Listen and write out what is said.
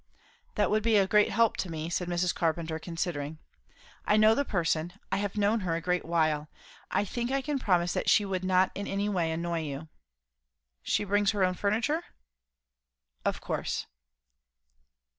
"That would be a great help to me," said Mrs. Carpenter, considering. "I know the person, I have known her a great while. I think I can promise that she would not in any way annoy you." "She brings her own furniture?" "Of course."